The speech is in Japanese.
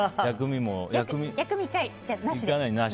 薬味、１回なしで。